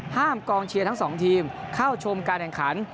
กองเชียร์ทั้งสองทีมเข้าชมการแข่งขัน